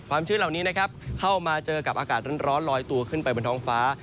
ชื้นเหล่านี้นะครับเข้ามาเจอกับอากาศร้อนลอยตัวขึ้นไปบนท้องฟ้า